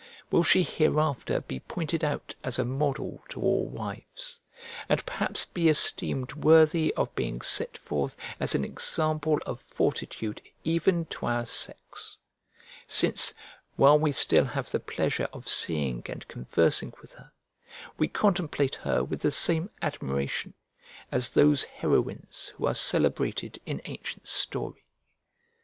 Will she hereafter be pointed out as a model to all wives; and perhaps be esteemed worthy of being set forth as an example of fortitude even to our sex; since, while we still have the pleasure of seeing and conversing with her, we contemplate her with the same admiration, as those heroines who are celebrated in ancient story?